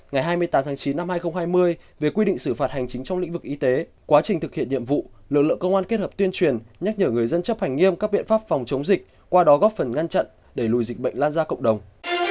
ngày hai mươi tám tháng chín năm hai nghìn hai mươi về quy định xử phạt hành chính trong lĩnh vực y tế quá trình thực hiện nhiệm vụ lực lượng công an kết hợp tuyên truyền nhắc nhở người dân chấp hành nghiêm các biện pháp phòng chống dịch qua đó góp phần ngăn chặn đẩy lùi dịch bệnh lan ra cộng đồng